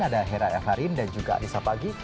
ada hera efarin dan juga arissa pagi